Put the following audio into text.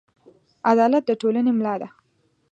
عدالت د ټولنې ملا ده.